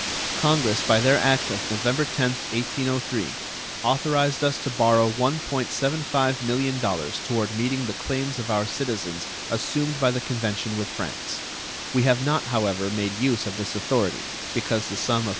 Congress by their act of November 10th, 1803, authorized us to borrow $1.75 millions toward meeting the claims of our citizens assumed by the convention with France. We have not, however, made use of this authority, because the sum of $4.